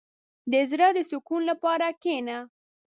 • د زړۀ د سکون لپاره کښېنه.